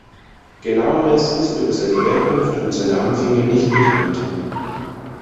Genaueres ist über seine Herkunft und seine Anfänge nicht bekannt.